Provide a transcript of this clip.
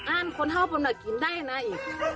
อ้านคนท้าวปนมากินได้นะเอง